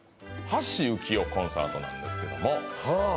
橋幸夫コンサートなんですけどもはあ